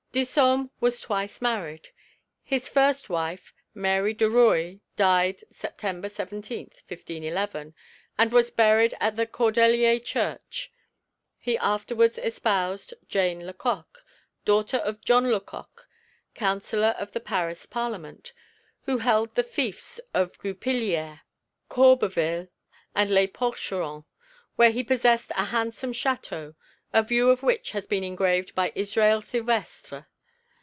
Disome was twice married. His first wife, Mary de Rueil, died Sept. 17, 1511, and was buried at the Cordeliers church; he afterwards espoused Jane Lecoq, daughter of John Lecoq, Counsellor of the Paris Parliament, who held the fiefs of Goupillières, Corbeville and Les Porcherons, where he possessed a handsome château, a view of which has been engraved by Israel Silvestre.